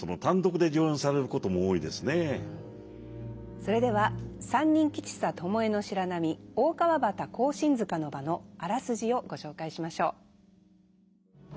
それでは「三人吉三巴白浪大川端庚申塚の場」のあらすじをご紹介しましょう。